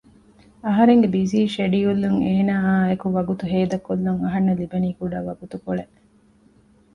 އަހަރެންގެ ބިޒީ ޝެޑިއުލްއިން އޭނައާއިއެކު ވަގުތު ހޭދަކޮށްލަން އަހަންނަށް ލިބެނީ ކުޑަ ވަގުތުކޮޅެއް